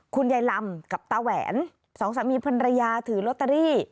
คุณยายลำกับตาแหวนสองสามีภรรยาถือลอตเตอรี่